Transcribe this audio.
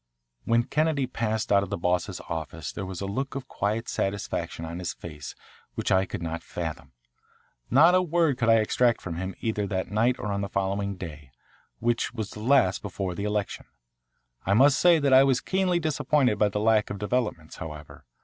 When Kennedy passed out of the Boss's office there was a look of quiet satisfaction on his face which I could not fathom. Not a word could I extract from him either that night or on the following day, which was the last before the election. I must say that I was keenly disappointed by the lack of developments, however.